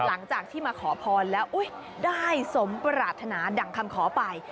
หลังจากที่มาขอพรแล้วได้สมปรารถนาดั่งคำขอไป